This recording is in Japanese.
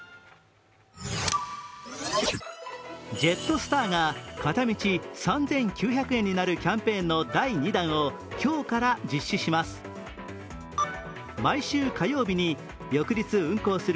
ジェットスターが片道３９００円になるキャンペーンの第２弾を今日から実施します。